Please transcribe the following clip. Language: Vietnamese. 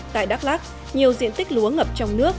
tại đắk lắc nhiều diện tích lúa ngập trong nước